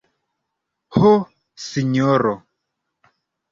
Ho, sinjoro!